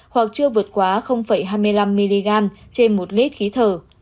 hoặc chưa vượt quá hai mươi năm mg trên một lít khí thở